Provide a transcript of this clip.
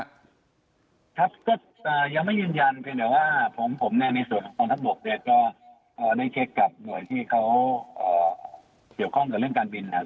ครับครับก็ยังไม่ยืนยันเพียงแต่ว่าผมเนี่ยในส่วนของกองทัพบกเนี่ยก็ได้เช็คกับหน่วยที่เขาเกี่ยวข้องกับเรื่องการบินนะครับ